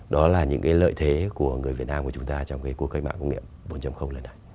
đó là những cái lợi thế của người việt nam của chúng ta trong cái cuộc cách mạng công nghiệp bốn lần này